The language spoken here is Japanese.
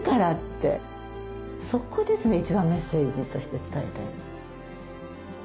そこですね一番メッセージとして伝えたいのは。